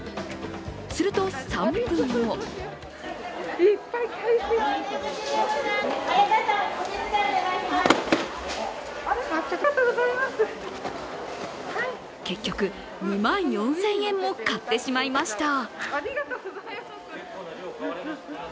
すると３分後結局、２万４０００円も買ってしまいました。